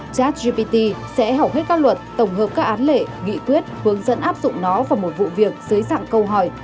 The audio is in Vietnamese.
chatgpt sẽ hảo hết các luật tổng hợp các án lệ nghị quyết hướng dẫn áp dụng nó vào một vụ việc dưới dạng câu hỏi